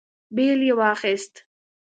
بېل يې واخيست.